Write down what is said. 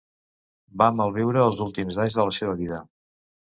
Va malviure els últims anys de la seva vida.